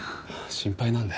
心配なんで。